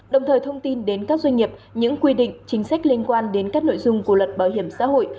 đồng thời thông tin đến các doanh nghiệp những quy định chính sách liên quan đến các nội dung của luật bảo hiểm xã hội